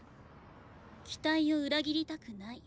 期待を裏切りたくない。